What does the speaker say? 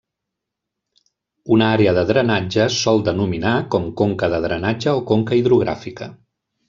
Una àrea de drenatge sol denominar com conca de drenatge o conca hidrogràfica.